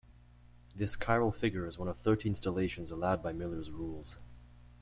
This chiral figure is one of thirteen stellations allowed by Miller's rules.